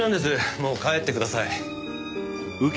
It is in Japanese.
もう帰ってください。